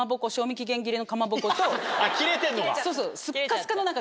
切れてんのか。